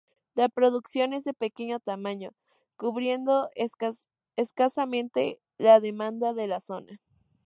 La producción es de pequeño tamaño, cubriendo escasamente la demanda de la zona.